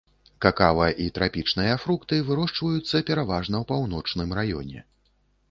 Какава і трапічныя фрукты вырошчваюцца пераважна ў паўночным раёне.